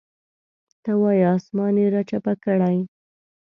ته وایې اسمان یې راچپه کړی.